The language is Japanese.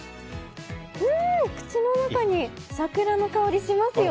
口の中に桜の香りしますよ！